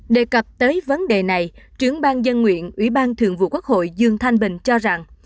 đề cập tới vấn đề này trưởng ban dân nguyện ủy ban thường vụ quốc hội dương thanh bình cho rằng